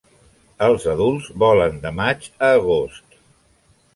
Els adults volen de maig a agost.